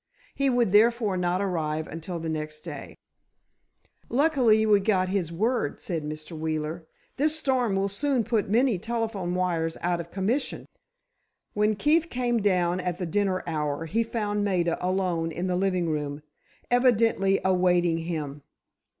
He would therefore not arrive until next day. "Lucky we got his word," said Mr. Wheeler. "This storm will soon put many telephone wires out of commission." When Keefe came down at the dinner hour, he found Maida alone in the living room, evidently awaiting him.